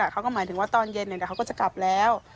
เขาก็หมายถึงว่าตอนเย็นเดี๋ยวเขาก็จะกลับแล้ว